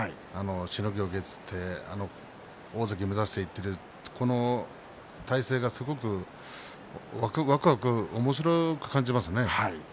しのぎを削って大関目指していっているこの体制がわくわくおもしろく感じますね。